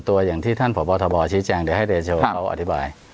ที่ท่านผอบทบชิ้นแจงเดี๋ยวให้เดชโชว์เขาอธิบาย